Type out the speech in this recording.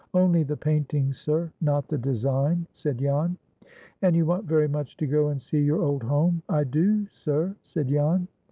"Only the painting, sir, not the design," said Jan. "And you want very much to go and see your old home?" "I do, sir," said Jan.